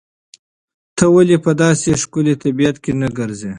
ته ولې په داسې ښکلي طبیعت کې نه ګرځې؟